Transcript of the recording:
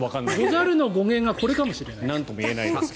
「ござる」の語源がこれかもしれない。